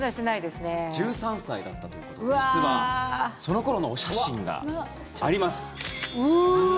１３歳だったということで実はその頃のお写真があります。